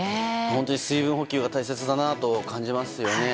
本当に水分補給が大切だなと感じますよね。